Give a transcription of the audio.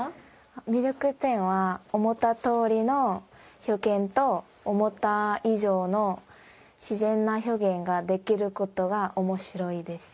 魅力は思ったとおりの表現と思った以上の自然な表現ができることはおもしろいです。